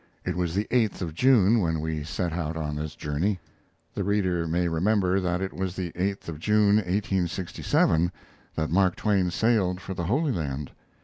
It was the eighth of June when we set out on this journey, [The reader may remember that it was the 8th of June, 1867, that Mark Twain sailed for the Holy Land.